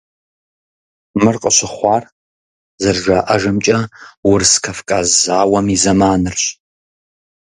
Мыр къыщыхъуар, зэрыжаӀэжымкӀэ, Урыс-Кавказ зауэм и зэманырщ.